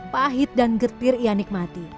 pahit dan getir ia nikmati